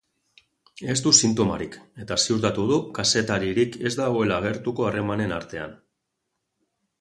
Ez du sintomarik, eta ziurtatu du kazetaririk ez dagoela gertuko harremanen artean.